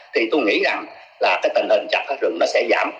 thì tôi nghĩ rằng là cái tình hình chặt phá rừng nó sẽ giảm